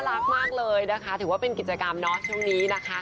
รักมากเลยนะคะถือว่าเป็นกิจกรรมเนาะช่วงนี้นะคะ